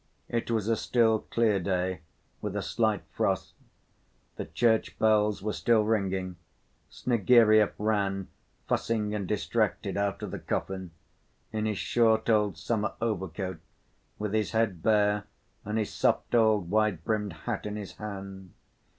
It was a still, clear day, with a slight frost. The church bells were still ringing. Snegiryov ran fussing and distracted after the coffin, in his short old summer overcoat, with his head bare and his soft, old, wide‐brimmed hat in his hand.